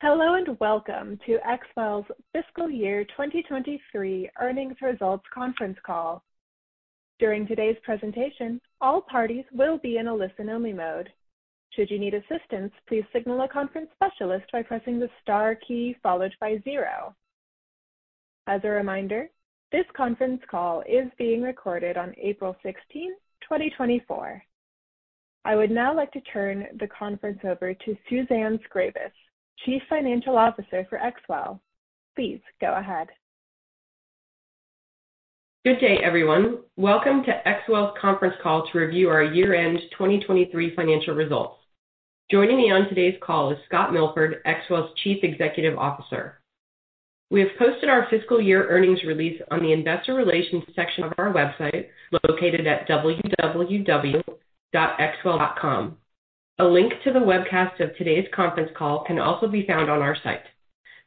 Hello, and welcome to Xwell's Fiscal Year 2023 Earnings Results Conference Call. During today's presentation, all parties will be in a listen-only mode. Should you need assistance, please signal a conference specialist by pressing the Star key followed by zero. As a reminder, this conference call is being recorded on April 16, 2024. I would now like to turn the conference over to Suzanne Scrabis, Chief Financial Officer for Xwell. Please go ahead. Good day, everyone. Welcome to Xwell's conference call to review our year-end 2023 financial results. Joining me on today's call is Scott Milford, Xwell's Chief Executive Officer. We have posted our fiscal year earnings release on the investor relations section of our website, located at www.xwell.com. A link to the webcast of today's conference call can also be found on our site.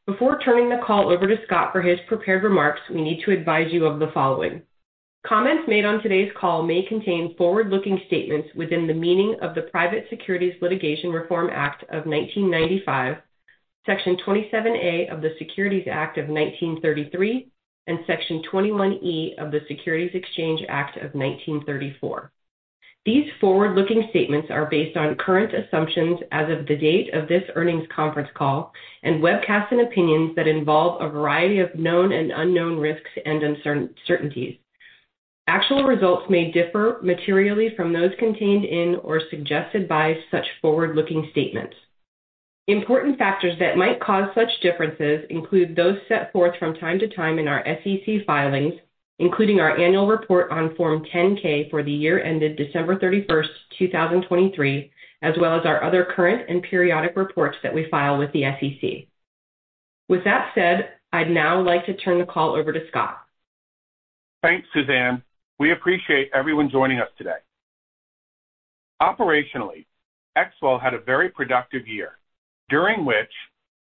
Before turning the call over to Scott for his prepared remarks, we need to advise you of the following: Comments made on today's call may contain forward-looking statements within the meaning of the Private Securities Litigation Reform Act of 1995, Section 27A of the Securities Act of 1933, and Section 21E of the Securities Exchange Act of 1934. These forward-looking statements are based on current assumptions as of the date of this earnings conference call and webcast and opinions that involve a variety of known and unknown risks and uncertainties. Actual results may differ materially from those contained in or suggested by such forward-looking statements. Important factors that might cause such differences include those set forth from time to time in our SEC filings, including our annual report on Form 10-K for the year ended December 31st, 2023, as well as our other current and periodic reports that we file with the SEC. With that said, I'd now like to turn the call over to Scott. Thanks, Suzanne. We appreciate everyone joining us today. Operationally, Xwell had a very productive year, during which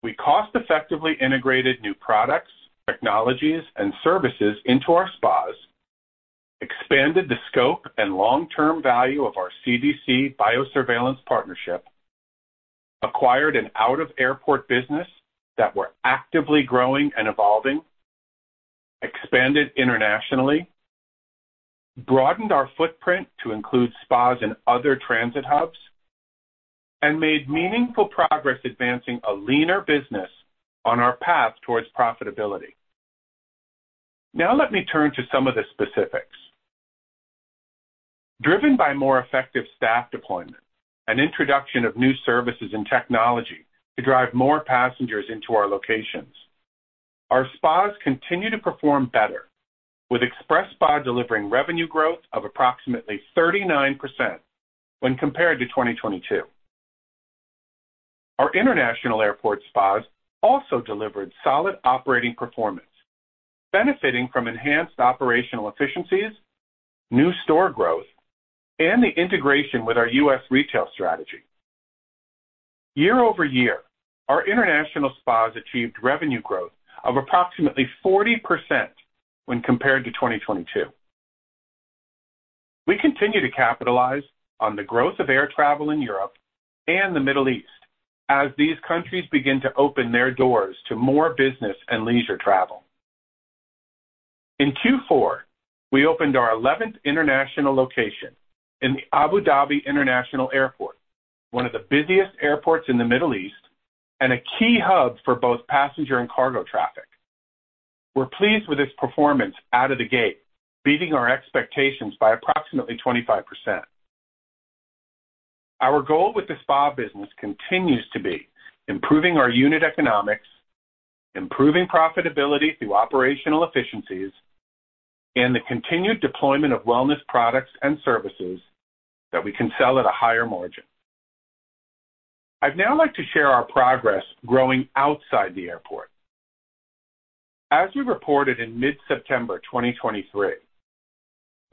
we cost effectively integrated new products, technologies, and services into our spas, expanded the scope and long-term value of our CDC biosurveillance partnership, acquired an out-of-airport business that we're actively growing and evolving, expanded internationally, broadened our footprint to include spas and other transit hubs, and made meaningful progress advancing a leaner business on our path towards profitability. Now let me turn to some of the specifics. Driven by more effective staff deployment and introduction of new services and technology to drive more passengers into our locations, our spas continue to perform better, with XpresSpa delivering revenue growth of approximately 39% when compared to 2022. Our international airport spas also delivered solid operating performance, benefiting from enhanced operational efficiencies, new store growth, and the integration with our U.S. retail strategy. Year over year, our international spas achieved revenue growth of approximately 40% when compared to 2022. We continue to capitalize on the growth of air travel in Europe and the Middle East as these countries begin to open their doors to more business and leisure travel. In Q4, we opened our 11th international location in the Abu Dhabi International Airport, one of the busiest airports in the Middle East and a key hub for both passenger and cargo traffic. We're pleased with its performance out of the gate, beating our expectations by approximately 25%. Our goal with the spa business continues to be improving our unit economics, improving profitability through operational efficiencies, and the continued deployment of wellness products and services that we can sell at a higher margin. I'd now like to share our progress growing outside the airport. As we reported in mid-September 2023,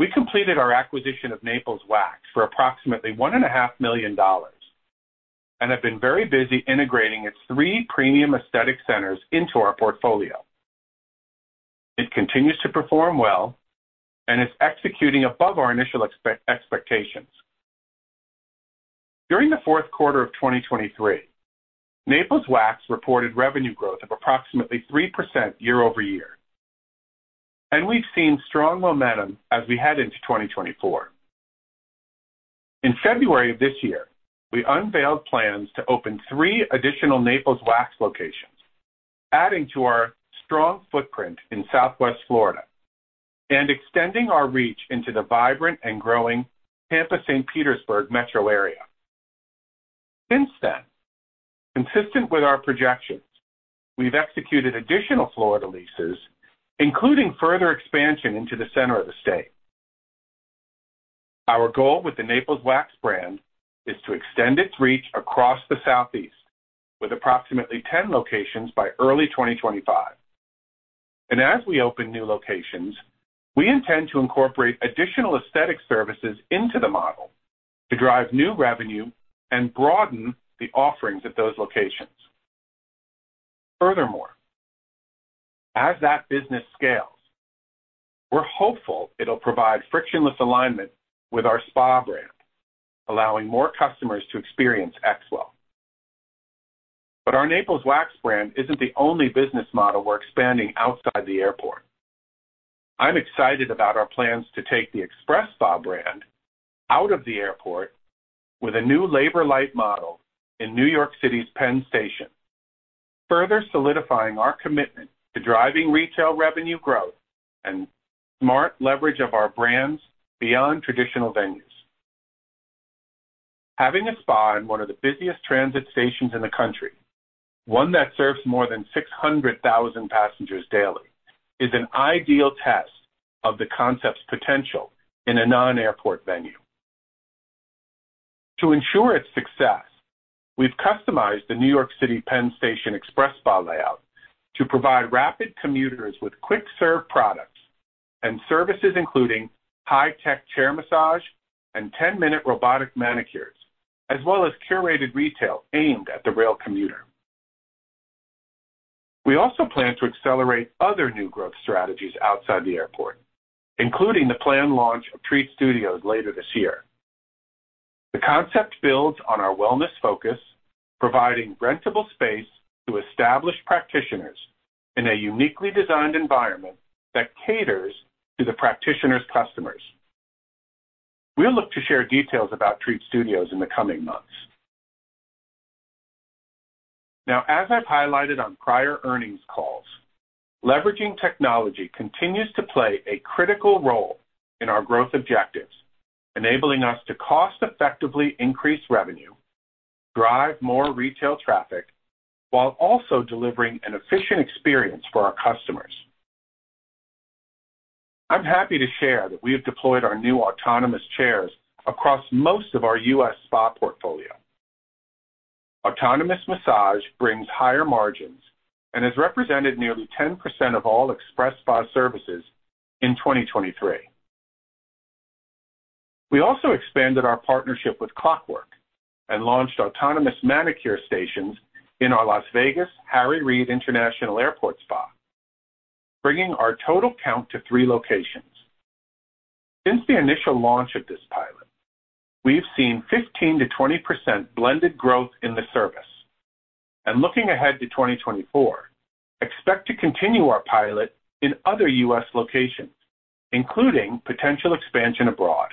we completed our acquisition of Naples Wax for approximately $1.5 million and have been very busy integrating its three premium aesthetic centers into our portfolio. It continues to perform well and is executing above our initial expectations. During the fourth quarter of 2023, Naples Wax reported revenue growth of approximately 3% year-over-year, and we've seen strong momentum as we head into 2024. In February of this year, we unveiled plans to open three additional Naples Wax locations, adding to our strong footprint in Southwest Florida and extending our reach into the vibrant and growing Tampa, St. Petersburg metro area. Since then, consistent with our projections, we've executed additional Florida leases, including further expansion into the center of the state. Our goal with the Naples Wax brand is to extend its reach across the Southeast with approximately 10 locations by early 2025. As we open new locations, we intend to incorporate additional aesthetic services into the model to drive new revenue and broaden the offerings at those locations. As that business scales, we're hopeful it'll provide frictionless alignment with our spa brand, allowing more customers to experience Xwell. But our Naples Wax brand isn't the only business model we're expanding outside the airport. I'm excited about our plans to take the XpresSpa brand out of the airport with a new labor-lite model in New York City's Penn Station, further solidifying our commitment to driving retail revenue growth and smart leverage of our brands beyond traditional venues. Having a spa in one of the busiest transit stations in the country, one that serves more than 600,000 passengers daily, is an ideal test of the concept's potential in a non-airport venue. To ensure its success, we've customized the New York City Penn Station XpresSpa layout to provide rapid commuters with quick-serve products and services, including high-tech chair massage and 10-minute robotic manicures, as well as curated retail aimed at the rail commuter. We also plan to accelerate other new growth strategies outside the airport, including the planned launch of Treat Studios later this year. The concept builds on our wellness focus, providing rentable space to established practitioners in a uniquely designed environment that caters to the practitioner's customers. We'll look to share details about Treat Studios in the coming months. Now, as I've highlighted on prior earnings calls, leveraging technology continues to play a critical role in our growth objectives, enabling us to cost-effectively increase revenue, drive more retail traffic, while also delivering an efficient experience for our customers. I'm happy to share that we have deployed our new autonomous chairs across most of our U.S. spa portfolio. Autonomous massage brings higher margins and has represented nearly 10% of all XpresSpa services in 2023. We also expanded our partnership with Clockwork and launched autonomous manicure stations in our Las Vegas Harry Reid International Airport spa, bringing our total count to three locations. Since the initial launch of this pilot, we've seen 15%-20% blended growth in the service, and looking ahead to 2024, expect to continue our pilot in other U.S. locations, including potential expansion abroad.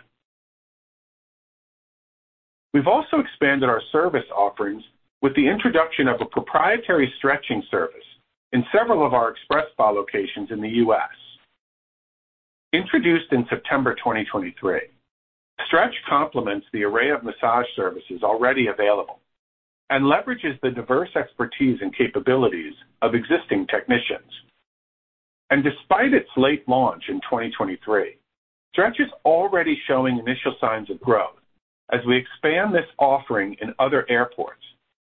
We've also expanded our service offerings with the introduction of a proprietary stretching service in several of our XpresSpa locations in the U.S. Introduced in September 2023, Stretch complements the array of massage services already available and leverages the diverse expertise and capabilities of existing technicians. Despite its late launch in 2023, Stretch is already showing initial signs of growth as we expand this offering in other airports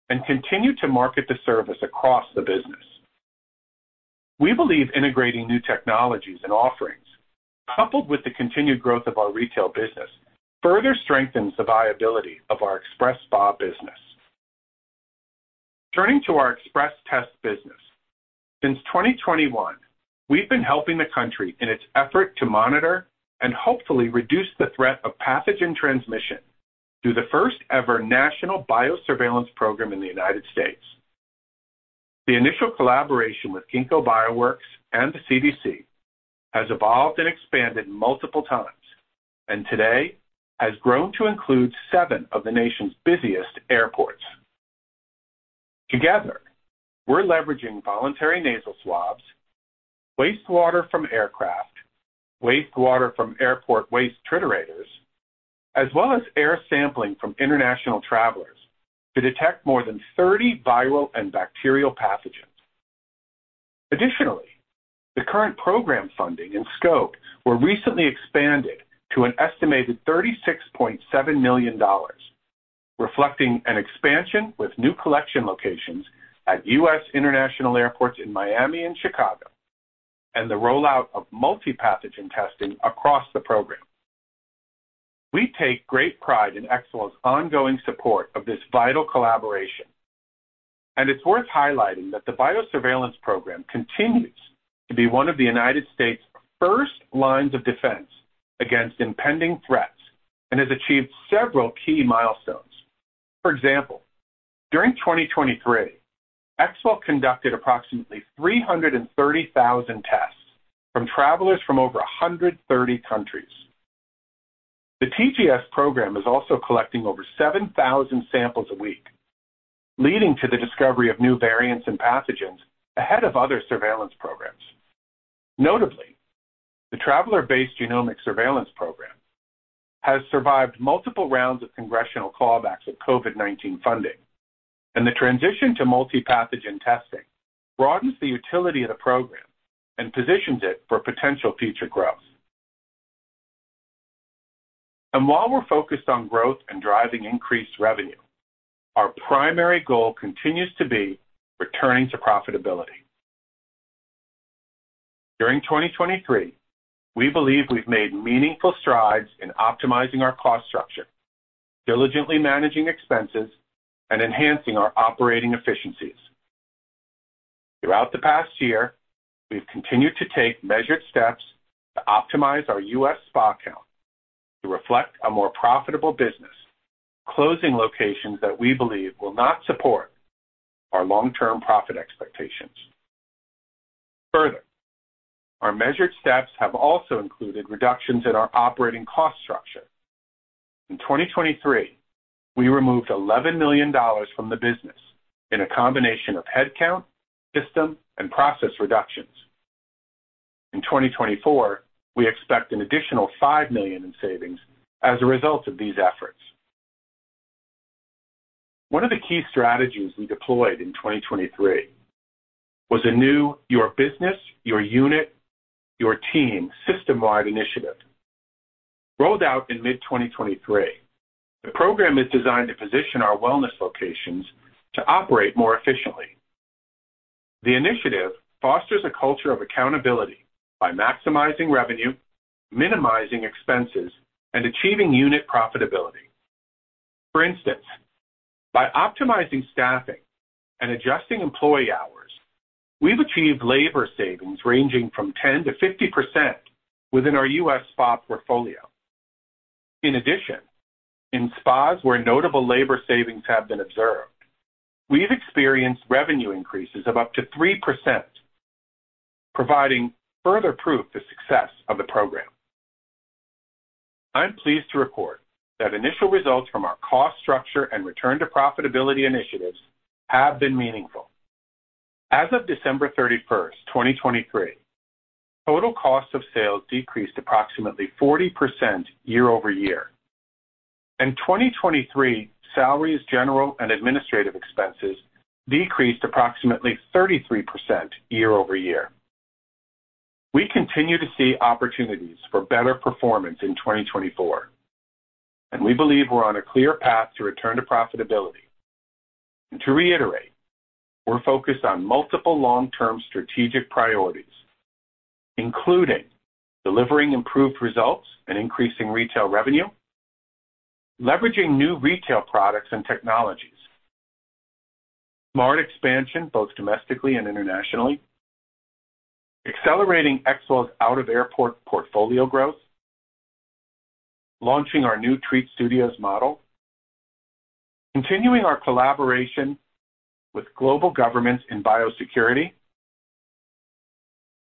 and continue to market the service across the business. We believe integrating new technologies and offerings, coupled with the continued growth of our retail business, further strengthens the viability of our XpresSpa business. Turning to our XpresTest business. Since 2021, we've been helping the country in its effort to monitor and hopefully reduce the threat of pathogen transmission through the first-ever national biosurveillance program in the United States. The initial collaboration with Ginkgo Bioworks and the CDC has evolved and expanded multiple times, and today, has grown to include seven of the nation's busiest airports. Together, we're leveraging voluntary nasal swabs, wastewater from aircraft, wastewater from airport waste triturators, as well as air sampling from international travelers to detect more than 30 viral and bacterial pathogens. Additionally, the current program funding and scope were recently expanded to an estimated $36.7 million, reflecting an expansion with new collection locations at U.S. international airports in Miami and Chicago, and the rollout of multipathogen testing across the program. We take great pride in Xwell's ongoing support of this vital collaboration, and it's worth highlighting that the biosurveillance program continues to be one of the United States' first lines of defense against impending threats and has achieved several key milestones. For example, during 2023, Xwell conducted approximately 330,000 tests from travelers from over 130 countries. The TGS program is also collecting over 7,000 samples a week, leading to the discovery of new variants and pathogens ahead of other surveillance programs. Notably, the Traveler-Based Genomic Surveillance Program has survived multiple rounds of congressional clawbacks with COVID-19 funding, and the transition to multipathogen testing broadens the utility of the program and positions it for potential future growth. And while we're focused on growth and driving increased revenue, our primary goal continues to be returning to profitability. During 2023, we believe we've made meaningful strides in optimizing our cost structure, diligently managing expenses and enhancing our operating efficiencies. Throughout the past year, we've continued to take measured steps to optimize our U.S. spa count to reflect a more profitable business, closing locations that we believe will not support our long-term profit expectations. Further, our measured steps have also included reductions in our operating cost structure. In 2023, we removed $11 million from the business in a combination of headcount, system, and process reductions. In 2024, we expect an additional $5 million in savings as a result of these efforts. One of the key strategies we deployed in 2023 was a new Your Business, Your Unit, Your Team system-wide initiative. Rolled out in mid-2023, the program is designed to position our wellness locations to operate more efficiently. The initiative fosters a culture of accountability by maximizing revenue, minimizing expenses, and achieving unit profitability. For instance, by optimizing staffing and adjusting employee hours, we've achieved labor savings ranging from 10%-50% within our U.S. spa portfolio. In addition, in spas where notable labor savings have been observed, we've experienced revenue increases of up to 3%, providing further proof the success of the program. I'm pleased to report that initial results from our cost structure and return to profitability initiatives have been meaningful. As of December 31st, 2023, total cost of sales decreased approximately 40% year-over-year. In 2023, salaries, general, and administrative expenses decreased approximately 33% year-over-year. We continue to see opportunities for better performance in 2024, and we believe we're on a clear path to return to profitability. To reiterate, we're focused on multiple long-term strategic priorities, including delivering improved results and increasing retail revenue, leveraging new retail products and technologies, smart expansion, both domestically and internationally, accelerating Xwell's out-of-airport portfolio growth, launching our new Treat Studios model, continuing our collaboration with global governments in biosecurity,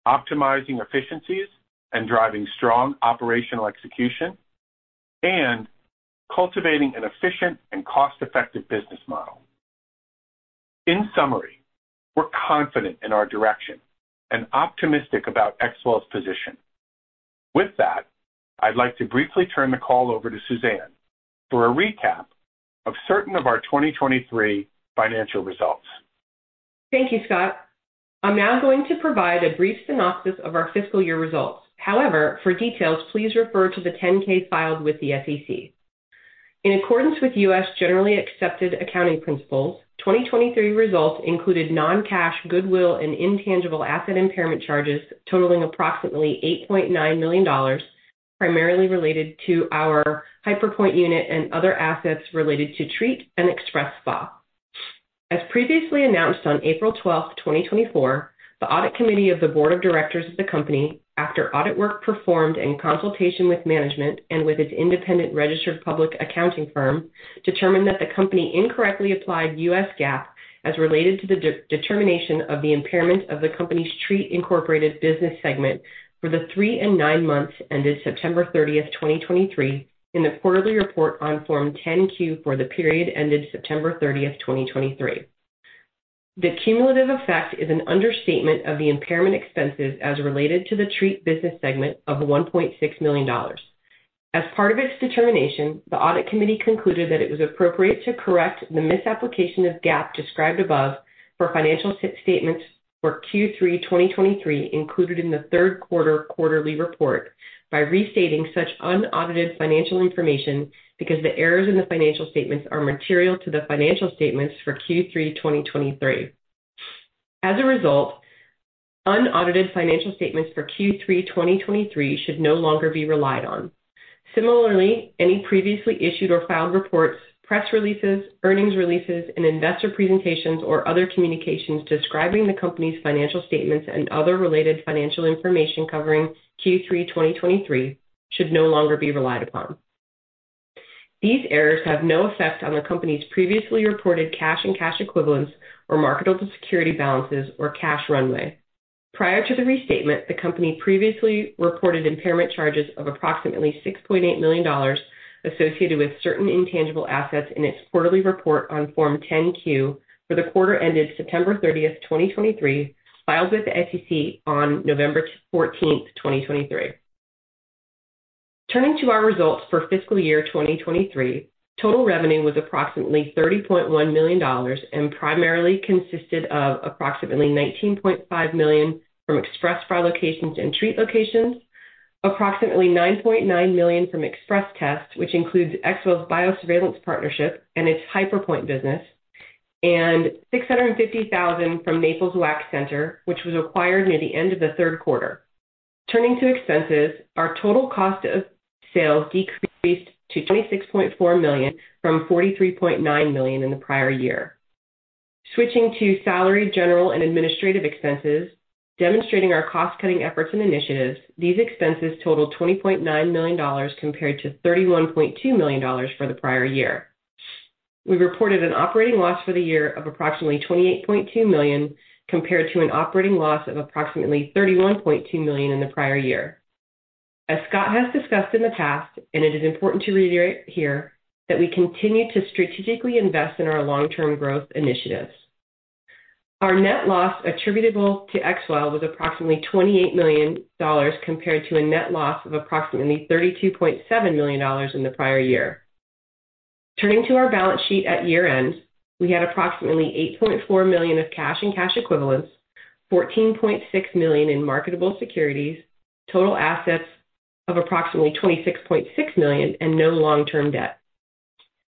optimizing efficiencies, and driving strong operational execution, and cultivating an efficient and cost-effective business model. In summary, we're confident in our direction and optimistic about Xwell's position. With that, I'd like to briefly turn the call over to Suzanne for a recap of certain of our 2023 financial results. Thank you, Scott. I'm now going to provide a brief synopsis of our fiscal year results. However, for details, please refer to the 10-K filed with the SEC. In accordance with U.S. generally accepted accounting principles, 2023 results included non-cash, goodwill, and intangible asset impairment charges totaling approximately $8.9 million, primarily related to our HyperPointe unit and other assets related to Treat and XpresSpa. As previously announced on April 12, 2024, the audit committee of the board of directors of the company, after audit work performed in consultation with management and with its independent registered public accounting firm, determined that the company incorrectly applied US GAAP as related to the determination of the impairment of the company's Treat Incorporated business segment for the three and nine months ended September 30th, 2023, in the quarterly report on Form 10-Q for the period ended September 30th, 2023. The cumulative effect is an understatement of the impairment expenses as related to the Treat business segment of $1.6 million. As part of its determination, the audit committee concluded that it was appropriate to correct the misapplication of GAAP described above for financial statements for Q3 2023, included in the third quarter quarterly report, by restating such unaudited financial information because the errors in the financial statements are material to the financial statements for Q3 2023. As a result, unaudited financial statements for Q3 2023 should no longer be relied on. Similarly, any previously issued or filed reports, press releases, earnings releases, and investor presentations, or other communications describing the company's financial statements and other related financial information covering Q3 2023 should no longer be relied upon. These errors have no effect on the company's previously reported cash and cash equivalents or marketable security balances or cash runway. Prior to the restatement, the company previously reported impairment charges of approximately $6.8 million associated with certain intangible assets in its quarterly report on Form 10-Q for the quarter ended September 30th, 2023, filed with the SEC on November 14, 2023. Turning to our results for fiscal year 2023, total revenue was approximately $30.1 million and primarily consisted of approximately $19.5 million from XpresSpa locations and Treat locations. Approximately $9.9 million from XpresTest, which includes Xwell's biosurveillance partnership and its HyperPointe business, and $650,000 from Naples Wax Center, which was acquired near the end of the third quarter. Turning to expenses, our total cost of sales decreased to $26.4 million from $43.9 million in the prior year. Switching to salary, general, and administrative expenses, demonstrating our cost-cutting efforts and initiatives, these expenses totaled $20.9 million compared to $31.2 million for the prior year. We reported an operating loss for the year of approximately $28.2 million, compared to an operating loss of approximately $31.2 million in the prior year. As Scott has discussed in the past, and it is important to reiterate here, that we continue to strategically invest in our long-term growth initiatives. Our net loss attributable to Xwell was approximately $28 million, compared to a net loss of approximately $32.7 million in the prior year. Turning to our balance sheet at year-end, we had approximately $8.4 million of cash and cash equivalents, $14.6 million in marketable securities, total assets of approximately $26.6 million, and no long-term debt.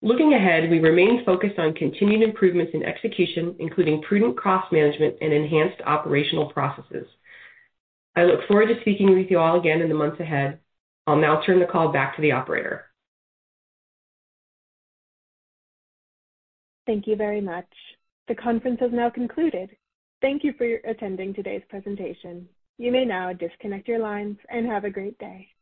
Looking ahead, we remain focused on continuing improvements in execution, including prudent cost management and enhanced operational processes. I look forward to speaking with you all again in the months ahead. I'll now turn the call back to the operator. Thank you very much. The conference has now concluded. Thank you for attending today's presentation. You may now disconnect your lines, and have a great day.